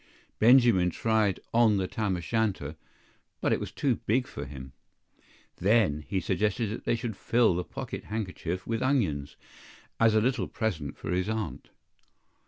Benjamin tried on the tam o shanter, but it was too big for him. THEN he suggested that they should fill the pocket handkerchief with onions, as a little present for his Aunt.